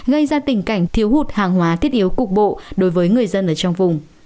gây ra tình cảnh thiếu hụt hàng hóa thiết yếu cục bộ đối với người dân ở trong vùng